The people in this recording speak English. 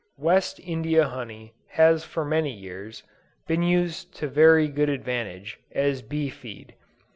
West India honey has for many years, been used to very good advantage, as a bee feed.